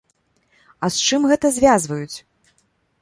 А з чым гэта звязваюць?